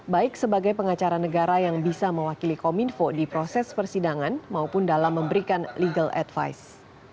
baik sebagai pengacara negara yang bisa mewakili kominfo di proses persidangan maupun dalam memberikan legal advice